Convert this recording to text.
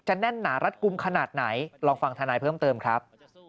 แน่นหนารัดกลุ่มขนาดไหนลองฟังธนายเพิ่มเติมครับ